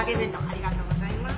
ありがとうございます。